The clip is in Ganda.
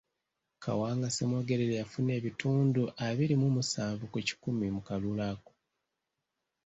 Kawanga Semwogerere yafuna ebitundu abiri mu musanvu ku kikumi mu kalulu ako.